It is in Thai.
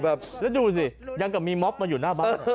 แล้วดูสิยังกับมีม็อบมาอยู่หน้าบ้าน